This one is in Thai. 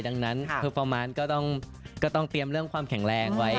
ดังนั้นเพอร์ฟอร์มันต์ก็ต้องเตรียมเรื่องความแข็งแรงไว้